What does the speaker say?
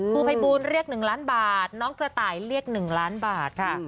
ครูภัยบูลเรียก๑ล้านบาทน้องกระต่ายเรียก๑ล้านบาทค่ะ